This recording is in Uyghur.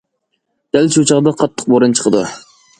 دەل شۇ چاغدا قاتتىق بوران چىقىدۇ.